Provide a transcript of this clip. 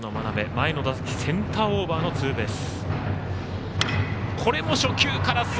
前の打席センターオーバーのツーベース。